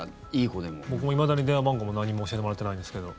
僕もいまだに電話番号も何も教えてもらってないんですけど。